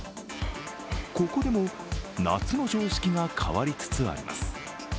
ここでも夏の常識が変わりつつあります。